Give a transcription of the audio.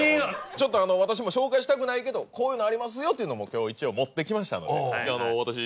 ちょっと私も紹介したくないけどこういうのありますよというのも今日一応持ってきましたので。